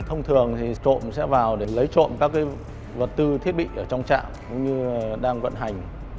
thông thường thì trộm sẽ vào để lấy trộm các vật tư thiết bị ở trong trạm cũng như đang vận hành